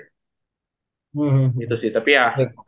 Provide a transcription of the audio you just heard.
gitu sih tapi ya